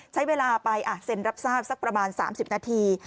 ใช้เวลาไปเซ็นรับทราบสักประมาณ๓๐นาที